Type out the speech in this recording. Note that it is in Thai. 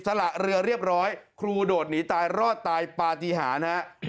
สละเรือเรียบร้อยครูโดดหนีตายรอดตายปฏิหารฮะ